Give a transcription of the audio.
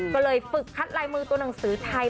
ก็เลยฝึกคัดลายมือตัวหนังสือไทย